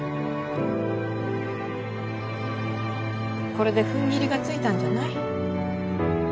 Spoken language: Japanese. これでふんぎりがついたんじゃない？